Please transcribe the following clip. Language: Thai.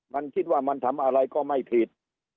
มันคิดว่ามันทำอะไรก็ไม่ผิด